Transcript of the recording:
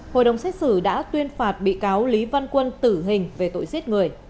hội đồng xét xử đã tuyên phạt bị cáo lý văn quân tử hình về tội giết người